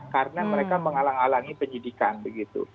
karena mereka mengalami penyidikan begitu